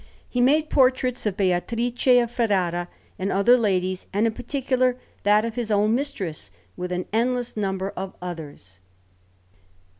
He made portraits of Beatrice of Ferrara and other ladies, and in particular that of his own mistress, with an endless number of others.